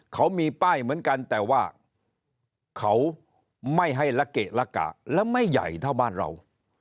เขามีป้ายเหมือนกันแต่ว่าเขาไม่ให้ละเกะละกะและไม่ใหญ่เท่าบ้านเรา